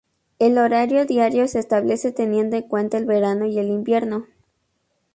El horario diario se establece teniendo en cuenta el verano y el invierno.